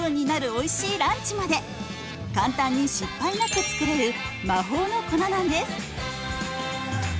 おいしいランチまで簡単に失敗なく作れる魔法の粉なんです。